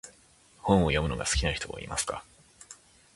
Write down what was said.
本を読むのが好きな人はいますか？